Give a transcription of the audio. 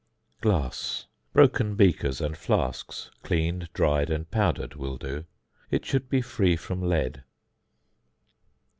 ~Glass~: broken beakers and flasks, cleaned, dried, and powdered will do. It should be free from lead.